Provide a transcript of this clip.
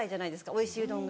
おいしいうどんが。